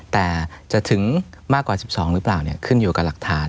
แต่จะถึงมากกว่า๑๒หรือเปล่าขึ้นอยู่กับหลักฐาน